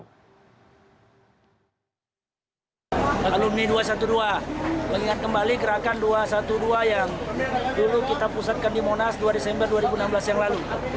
alumni dua ratus dua belas mengingat kembali gerakan dua ratus dua belas yang dulu kita pusatkan di monas dua desember dua ribu enam belas yang lalu